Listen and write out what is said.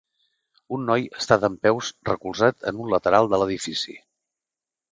Un noi està dempeus recolzat en un lateral de l'edifici.